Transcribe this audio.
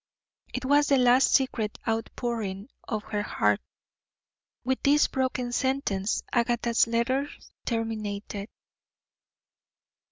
It was the last secret outpouring of her heart. With this broken sentence Agatha's letters terminated..